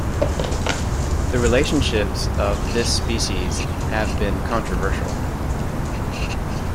The relationships of this species have been controversial.